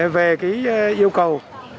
về yêu cầu